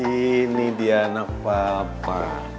ini dia nak papa